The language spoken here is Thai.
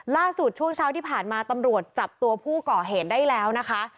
ช่วงเช้าที่ผ่านมาตำรวจจับตัวผู้ก่อเหตุได้แล้วนะคะ